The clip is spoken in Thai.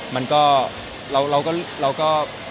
มันก็เราก็